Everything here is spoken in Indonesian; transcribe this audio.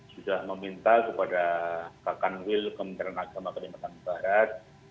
sudah meminta kepada kak kanwil kementerian agama kalimantan barat